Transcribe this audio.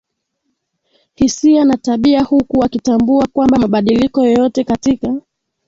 hisia na tabia huku wakitambua kwamba mabadiliko yoyote katika